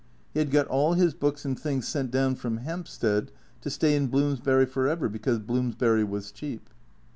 He had got all his books and things sent down from Hampstead, to stay in Bloomsbury for ever, because Bloomsbury was cheap.